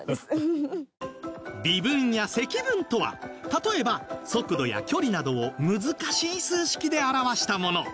微分や積分とは例えば速度や距離などを難しい数式で表したもの